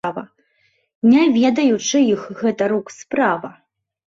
Не ведаю чыіх гэта рук справа.